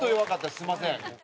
すみません。